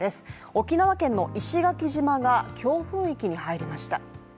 沖縄県の石垣島が強風域に入りました。